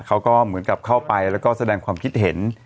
เขาก็เหมือนกับเข้าไปแล้วก็แสดงความคิดเห็น